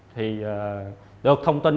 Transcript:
thì được thông tin